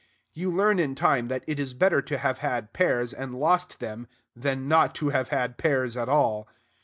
You learn, in time, that it is better to have had pears and lost them than not to have had pears at all.